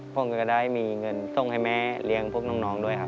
ผมก็ได้มีเงินส่งให้แม่เลี้ยงพวกน้องด้วยครับ